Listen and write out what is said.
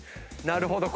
「なるほど。